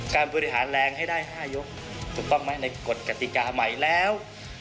การบริหารแรงให้ได้๕ยกถูกต้องไหมในกฎกติกาใหม่แล้ว